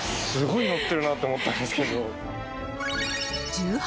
１８